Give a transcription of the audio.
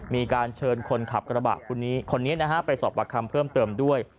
มีการเชิญคนขับกระบะคนนี้นะฮะไปสอบประคำเพิ่มเติมด้วย